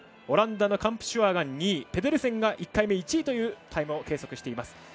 オランダのカンプシュアーが２位ペデルセンが１回目１位というタイムを計測しています。